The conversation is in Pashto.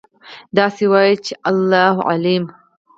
داسې وایئ چې: الله أعلم.